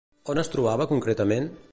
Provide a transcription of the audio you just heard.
On es trobava concretament?